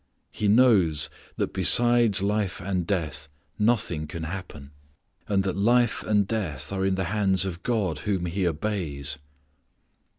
He knows that besides life and death nothing can happen, and that life and death are in the hands of God whom he obeys.